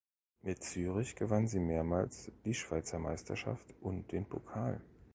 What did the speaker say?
Mit Zürich gewann sie mehrmals die Schweizer Meisterschaft und den Pokal.